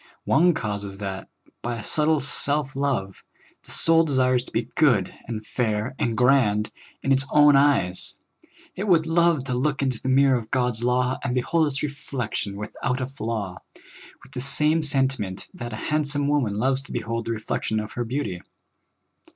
One cause is that, by a subtile self love, the soul desires to be good and iair and grand in its own eyes ; it would love to look into the mirror of God's law, and behold its reflection without a flaw, with the same sentiment that a hand 46 SOUL FOOD. some woman loves to behold the reflection of her beauty.